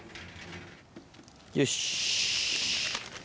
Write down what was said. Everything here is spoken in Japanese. よし。